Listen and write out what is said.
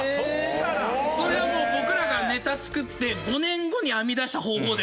それはもう僕らがネタ作って５年後に編み出した方法です。